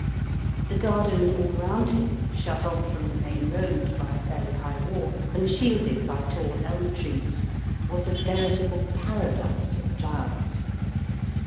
The garden all round him, shut off from the main road by a fairly high wall and shielded by tall elm trees, was a veritable para* dise of flowers.